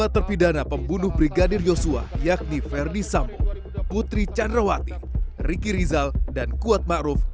lima terpidana pembunuh brigadir yosua yakni verdi sambu putri candrawati riki rizal dan kuat ma'ruf